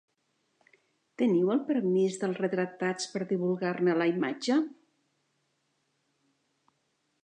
Teniu el permís dels retratats per divulgar-ne la imatge?